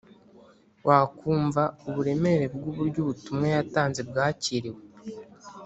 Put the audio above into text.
wakumva uburemere bw’uburyo ubutumwa yatanze bwakiriwe